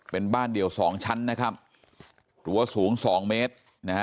เป็นบ้านเดี่ยว๒ชั้นตัวสูง๒เมตร